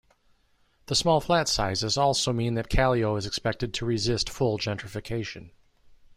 The small flat sizes also mean that Kallio is expected to resist full gentrification.